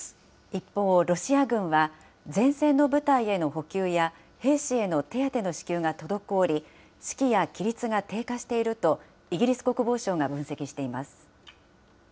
一方、ロシア軍は、前線の部隊への補給や、兵士への手当の支給が滞り、士気や規律が低下していると、イギリス国防省が分析しています。